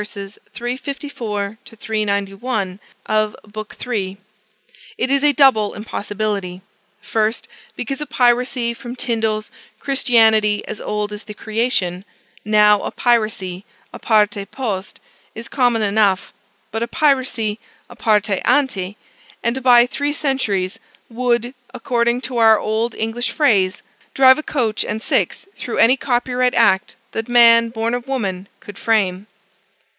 354 391, B. III. It is a double impossibility; 1st, because a piracy from Tindal's Christianity as Old as the Creation: now a piracy à parte post is common enough; but a piracy à parte ante, and by three centuries, would (according to our old English phrase) drive a coach and six through any copyright act that man born of woman could frame.